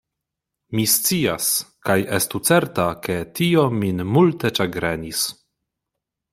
Mi scias: kaj estu certa, ke tio min multe ĉagrenis.